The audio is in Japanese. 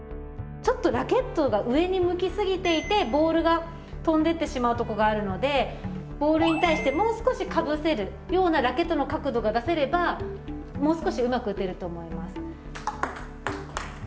ちょっとラケットが上に向き過ぎていてボールが飛んでってしまうとこがあるのでボールに対してもう少しかぶせるようなラケットの角度が出せればもう少しうまく打てると思います。